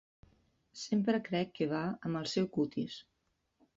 Sempre crec que va amb el seu cutis.